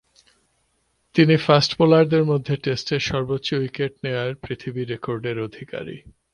তিনি ফাস্ট বোলারদের মধ্যে টেস্টে সর্বোচ্চ উইকেটের নেওয়ার পৃথিবী রেকর্ডের অধিকারী।